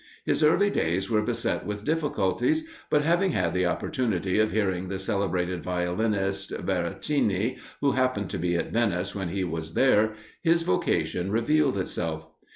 His early days were beset with difficulties, but having had the opportunity of hearing the celebrated violinist, Veracini, who happened to be at Venice when he was there, his vocation revealed itself.